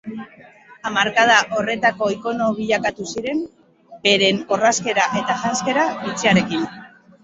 Hamarkada horretako ikono bilakatu ziren, beren orrazkera eta janzkera bitxiarekin.